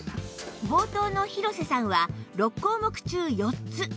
冒頭の廣瀬さんは６項目中４つ